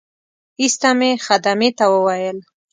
ایسته مې خدمې ته وویل.